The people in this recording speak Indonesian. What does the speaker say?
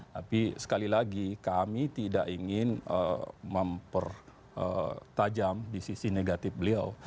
tapi sekali lagi kami tidak ingin mempertajam di sisi negatif beliau